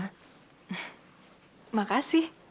hanya ingin mengucapkan terima kasih rosa